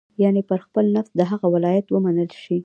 یعنې پر خپل نفس د هغه ولایت ومنل شي.